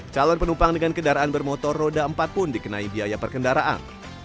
calon penumpang dengan kendaraan bermotor roda empat pun dikenai biaya perkendaraan